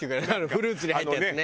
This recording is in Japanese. フルーツに入ったやつね。